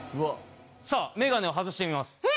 さあメガネを外してみます。